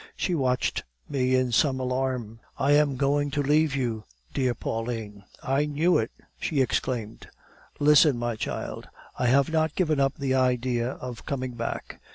She watched me in some alarm. "'I am going to leave you, dear Pauline.' "'I knew it!' she exclaimed. "'Listen, my child. I have not given up the idea of coming back.